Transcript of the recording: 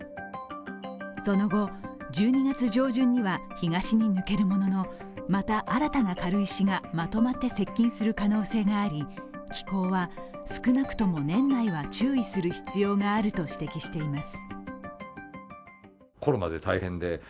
その後、１２月上旬には東に抜けるもののまた新たな軽石がまとまって接近する可能性があり機構は少なくとも年内は注意する必要があると指摘しています。